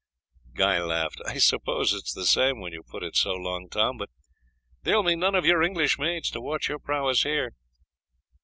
Guy laughed. "I suppose it is the same, when you put it so, Long Tom; but there will be none of your English maids to watch your prowess here."